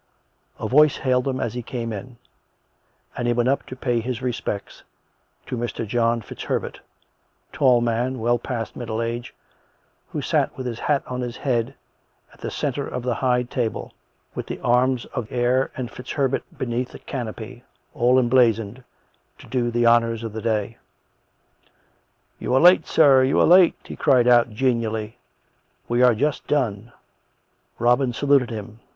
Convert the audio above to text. A voice hailed him as he came in; and he went up to pay his respects to Mr. John FitzHerbert, a tall man, well past middle age, who sat with his hat on his head, at the centre of the high table, with the arms of Eyre and COME RACK! COME ROPE! 57 FitzHerbert beneath the canopy, all emblazoned, to do the honours of the day. " You are late, sir, you are late !" he cried out genially. " We are just done." Robin saluted him.